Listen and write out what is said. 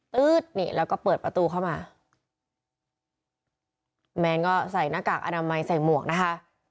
ตื๊ดนี่แล้วก็เปิดประตูเข้ามาแมนก็ใส่หน้ากากอนามัยใส่หมวกนะคะ